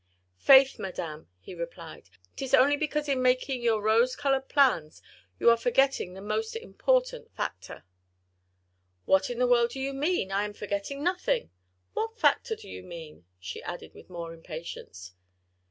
"Faith, Madame," he replied, "'tis only because in making your rose coloured plans, you are forgetting the most important factor." "What in the world do you mean?—I am forgetting nothing. ... What factor do you mean?" she added with more impatience.